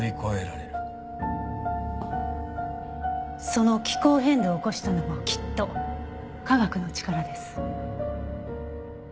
その気候変動を起こしたのもきっと科学の力です。